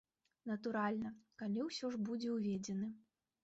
Натуральна, калі ўсё ж будзе ўведзены.